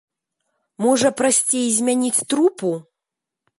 Можа, прасцей змяніць трупу?